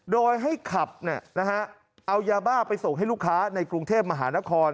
โดยให้ขับเอายาบ้าไปส่งให้ลูกค้าในกรุงเทพมหานคร